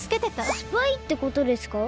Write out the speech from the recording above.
スパイってことですか？